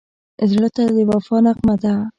زړه د وفا نغمه ده.